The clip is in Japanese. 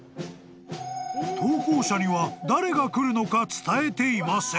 ［投稿者には誰が来るのか伝えていません］